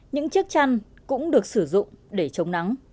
những chiếc chăn cũng được sử dụng để chống nắng